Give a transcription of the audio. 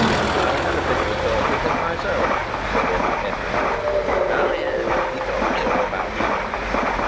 "I had a bit of a talk with him myself," said Edward Henry. "Oh, yes! He told me all about you."